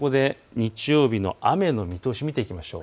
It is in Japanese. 日曜日の雨の見通し見ていきましょう。